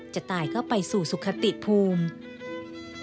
จะตายก็ไปสู่สุขติภูมิ